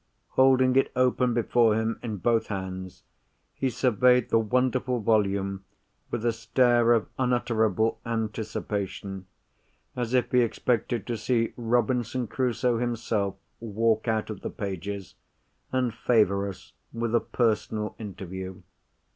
Holding it open before him in both hands, he surveyed the wonderful volume with a stare of unutterable anticipation—as if he expected to see Robinson Crusoe himself walk out of the pages, and favour us with a personal interview.